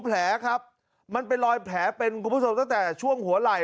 แผลครับมันเป็นรอยแผลเป็นคุณผู้ชมตั้งแต่ช่วงหัวไหล่